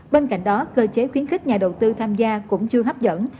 bên cạnh đó cơ chế khuyến khích nhà đầu tư tham gia cũng chưa hấp dẫn